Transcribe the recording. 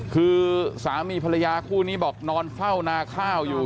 คือสามีภรรยาคู่นี้บอกนอนเฝ้านาข้าวอยู่